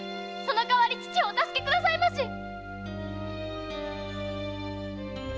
その代わり父をお助けくださいまし！